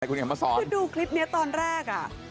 แต่กูเนี่ยมาสอนคือดูคลิปเนี่ยตอนแรกอะ